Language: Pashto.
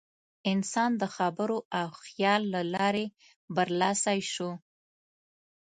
انسان د خبرو او خیال له لارې برلاسی شو.